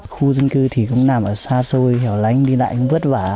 khu dân cư thì cũng nằm ở xa xôi hẻo lánh đi lại cũng vất vả